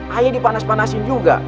ae dipanas panasin juga